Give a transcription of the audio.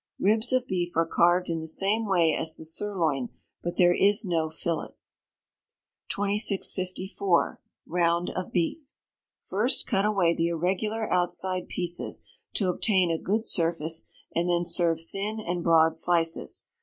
Ribs of beef are carved in the same way as the sirloin; but there is no fillet. 2654. Round of Beef. First cut away the irregular outside pieces, to obtain a good surface, and then serve thin and broad slices.